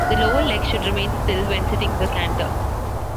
The lower leg should remain still when sitting the canter.